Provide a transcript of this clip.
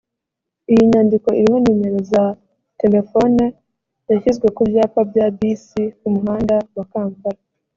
Iyi nyandiko iriho numero za telefone yashyizwe ku byapa bya bisi ku muhanda wa Kampala